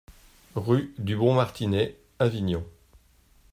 Rue du Bon Martinet, Avignon